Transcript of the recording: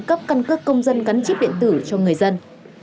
cấp căn cước công dân gắn chip điện tử cho người dân